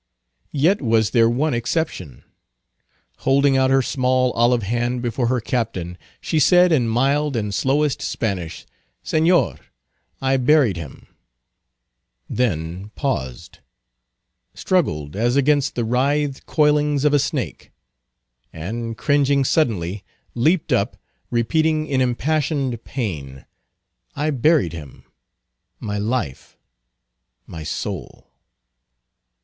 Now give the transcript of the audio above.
Yet was there one exception. Holding out her small olive hand before her captain, she said in mild and slowest Spanish, "Señor, I buried him;" then paused, struggled as against the writhed coilings of a snake, and cringing suddenly, leaped up, repeating in impassioned pain, "I buried him, my life, my soul!"